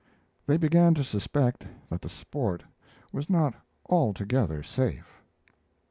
They began to suspect that the sport was not altogether safe.